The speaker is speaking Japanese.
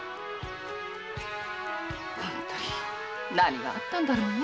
ほんとに何があったんだろうね。